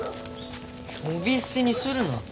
呼び捨てにするな。